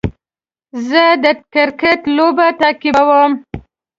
زه د کرکټ لوبې تعقیبوم.